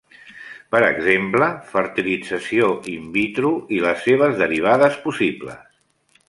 Per exemple: fertilització "in vitro" i les seves derivades possibles.